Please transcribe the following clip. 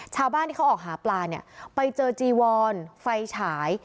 ชาวบ้านที่เขาออกหาปลาเนี่ยไปเจอจีวอนไฟฉาย